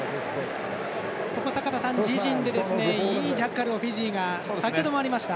坂田さん、自陣でいいジャッカルをフィジーが先ほどもありました。